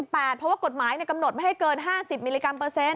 เพราะว่ากฎหมายกำหนดไม่ให้เกิน๕๐มิลลิกรัมเปอร์เซ็น